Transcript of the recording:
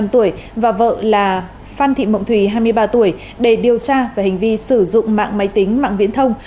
một mươi năm tuổi và vợ là phan thị mộng thùy hai mươi ba tuổi để điều tra về hành vi sử dụng mạng máy tính mạng viễn thông